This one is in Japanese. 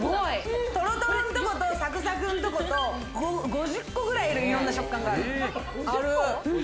トロトロのとこと、サクサクのところと、５０種類くらいいろんな食感がある。